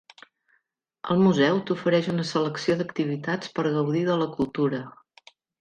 El Museu t'ofereix una selecció d'activitats per gaudir de la cultura.